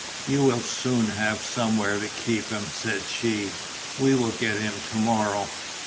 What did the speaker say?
"You will soon have somewhere to keep him," said she, "we will get him to morrow.